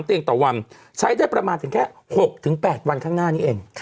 เตียงต่อวันใช้ได้ประมาณถึงแค่๖๘วันข้างหน้านี้เอง